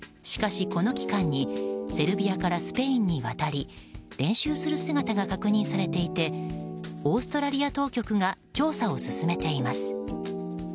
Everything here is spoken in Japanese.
しかし、この期間にセルビアからスペインに渡り練習する姿が確認されていてオーストラリア当局が調査を進めています。